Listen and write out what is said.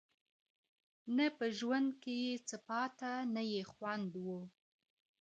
نه په ژوند کي یې څه پاته نه یې خوند وو